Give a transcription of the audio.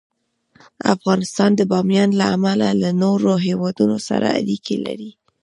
افغانستان د بامیان له امله له نورو هېوادونو سره اړیکې لري.